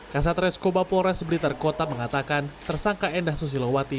kasatreskoba polres blitar kota mengatakan tersangka endah susilowati